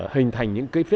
hình thành những cái